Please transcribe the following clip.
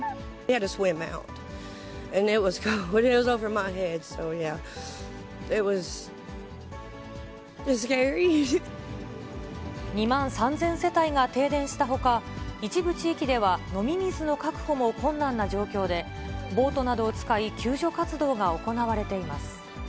２万３０００世帯が停電したほか、一部地域では飲み水の確保も困難な状況で、ボートなどを使い救助活動が行われています。